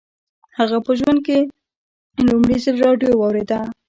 هغه په ژوند کې لومړي ځل راډيو واورېده.